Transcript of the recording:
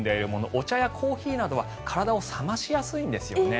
お茶やコーヒーなどは体を冷ましやすいんですね。